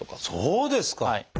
そうですか！